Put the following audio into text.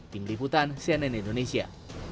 tim liputan cnn indonesia